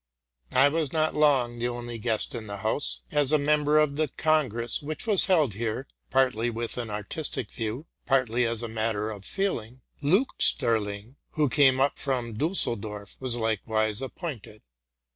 I was not long the only guest in the house. As a member of the congress which was held here, — partly with an artistic view, partly as a matter of feeling, — Leuchsenring, who came up from Dusseldorf, was likewise appointed.